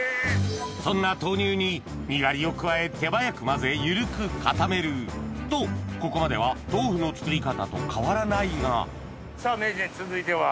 そんな豆乳ににがりを加え手早く混ぜ緩く固めるとここまでは豆腐の作り方と変わらないがさぁ名人続いては。